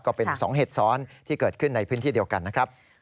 ก็เป็น๒เหตุซ้อนที่เกิดขึ้นในพื้นที่เดียวกันนะครับ